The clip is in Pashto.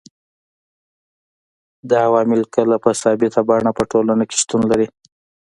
دا عوامل کله په ثابته بڼه په ټولنه کي شتون لري